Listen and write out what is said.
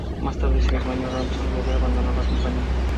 Más tarde ese mismo año, Ransom Love abandonó la compañía.